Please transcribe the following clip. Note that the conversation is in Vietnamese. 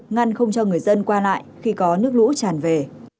ngăn không cho người dân qua lại khi có nước lũ tràn về